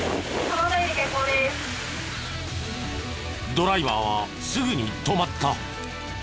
ドライバーはすぐに止まった。